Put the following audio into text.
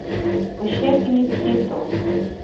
Oshekini tsiito.